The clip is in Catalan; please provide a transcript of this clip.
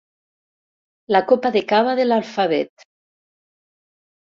La copa de cava de l'alfabet.